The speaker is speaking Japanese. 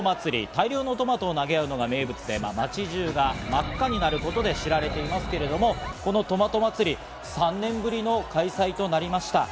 大量のトマトを投げ合うのが名物で、街中が真っ赤になることで知られていますけれども、このトマト祭り、３年ぶりの開催となりました。